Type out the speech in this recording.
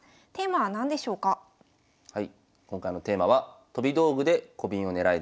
はい。